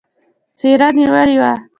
څېره نېولې وه.